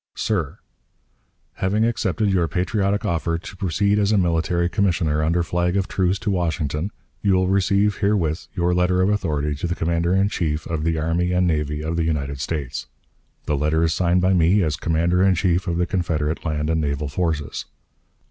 _ "SIR: Having accepted your patriotic offer to proceed as a military commissioner under flag of truce to Washington, you will receive herewith your letter of authority to the Commander in Chief of the Army and Navy of the United States. The letter is signed by me, as Commander in Chief of the Confederate land and naval forces.